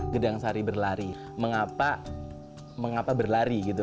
gedang sari berlari mengapa berlari gitu